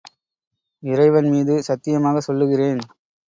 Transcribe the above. இறைவன் மீது சத்தியமாகச் சொல்லுகிறேன்.